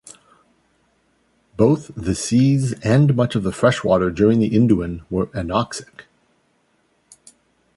Both the seas and much of the freshwater during the Induan were anoxic.